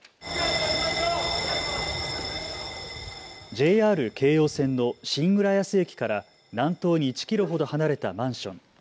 ＪＲ京葉線の新浦安駅から南東に１キロほど離れたマンション。